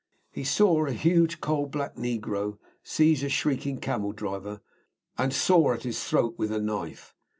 He saw a huge coal black negro seize a shrieking camel driver and saw at his throat with a knife.